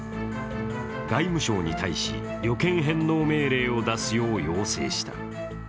外務省に対し、旅券返納命令を出すよう要請した。